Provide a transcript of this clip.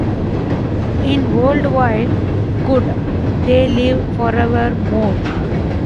In worldwide good they live forever more.